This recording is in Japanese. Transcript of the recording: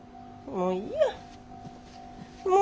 もういい。